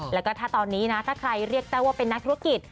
แล้วก็ถ้าตอนนี้นะถ้าใครเรียกแต้วว่าเป็นนักธุรกิจ